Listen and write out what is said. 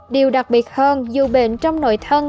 điều đặc biệt hơn dù bệnh trong nội thân